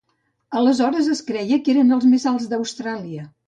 Aleshores es creia que eren els més alts d'Austràlia.